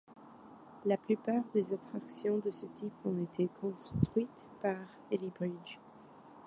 La plupart des attractions de ce type ont été construites par Eli Bridge.